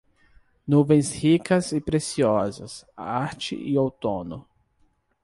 Nuvens ricas e preciosas, arte e outono